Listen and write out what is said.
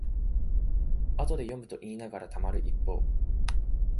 後で読むといいながらたまる一方